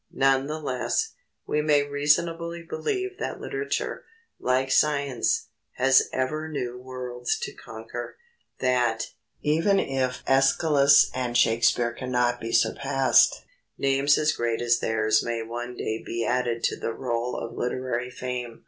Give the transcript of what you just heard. None the less, we may reasonably believe that literature, like science, has ever new worlds to conquer that, even if Æschylus and Shakespeare cannot be surpassed, names as great as theirs may one day be added to the roll of literary fame.